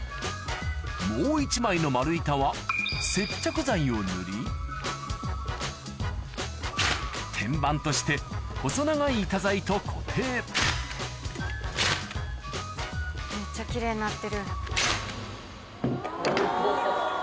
もう１枚の丸板は接着剤を塗り天板として細長い板材と固定めっちゃ奇麗になってる。